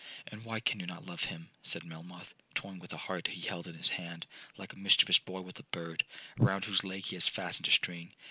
'—'And why can you not love him?' said Melmoth, toying with the heart he held in his hand, like a mischievous boy with a bird, around whose leg he has fastened a string.